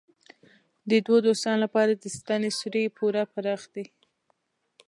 د دوو دوستانو لپاره د ستنې سوری پوره پراخ دی.